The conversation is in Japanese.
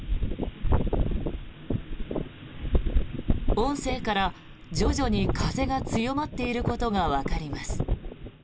音声から徐々に風が強まっていることがわかります。